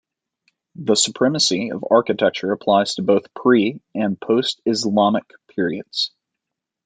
The supremacy of architecture applies to both pre- and post-Islamic periods.